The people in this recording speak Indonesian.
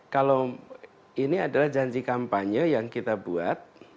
kalau ini adalah janji kampanye yang kita buat